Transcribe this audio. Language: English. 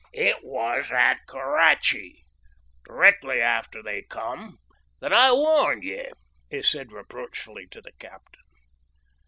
"It was at Kurrachee, directly after they come that I warned ye," he said reproachfully to the captain.